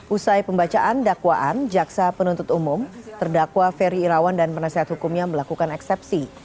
usai pembacaan dakwaan jaksa penuntut umum terdakwa ferry irawan dan penasehat hukumnya melakukan eksepsi